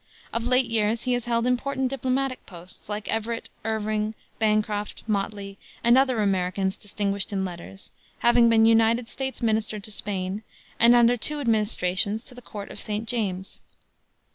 Of late years he has held important diplomatic posts, like Everett, Irving, Bancroft, Motley, and other Americans distinguished in letters, having been United States Minister to Spain, and, under two administrations, to the Court of St. James.